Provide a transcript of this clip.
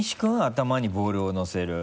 頭にボールを乗せる。